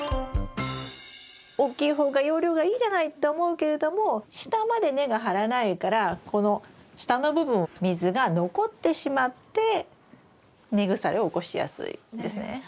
大きい方が容量がいいじゃないって思うけれども下まで根が張らないからこの下の部分水が残ってしまって根腐れを起こしやすいんですね。